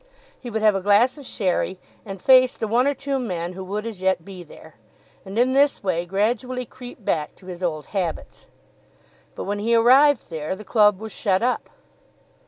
He would have a glass of sherry, and face the one or two men who would as yet be there, and in this way gradually creep back to his old habits. But when he arrived there, the club was shut up.